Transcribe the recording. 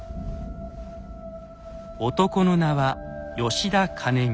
男の名は吉田兼見。